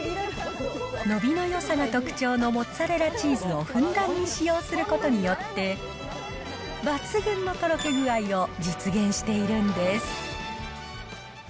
伸びのよさが特徴のモッツァレラチーズをふんだんに使用することによって、抜群のとろけ具合を実現しているんです。